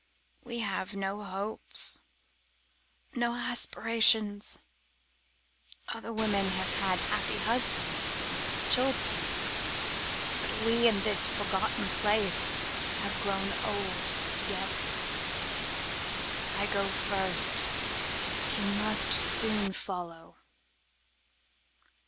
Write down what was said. We have no hopes, no aspirations; other women have had happy husbands and children, but we in this forgotten place have grown old together. I go first, but you must soon follow."